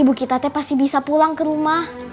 ibu kita teh pasti bisa pulang ke rumah